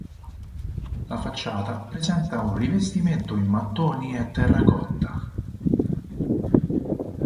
La facciata presenta un rivestimento in mattoni e terra cotta.